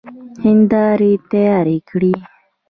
هيندارې تيارې کړئ!